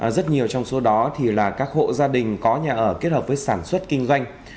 rất nhiều trong số đó là các hộ gia đình có nhà ở kết hợp với sản xuất kinh doanh